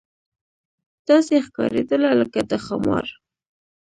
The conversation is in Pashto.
داسې ښکارېدله لکه د ښامار.